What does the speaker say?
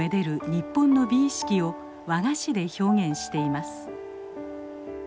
日本の美意識を和菓子で表現しています。